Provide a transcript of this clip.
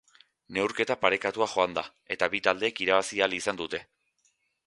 Neurketa parekatua joan da, eta bi taldeek irabazi ahal izan dute.